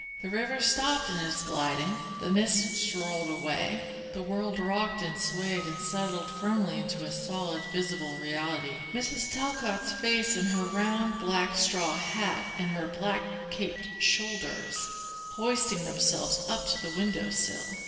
The river stopped in its gliding; the mists rolled away; the world rocked and swayed and settled firmly into a solid, visible reality; Mrs. Talcott's face and her round black straw hat and her black caped shoulders, hoisting themselves up to the window sill.